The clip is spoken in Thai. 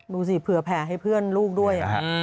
เผื่อแผลให้เพื่อนลูกด้วย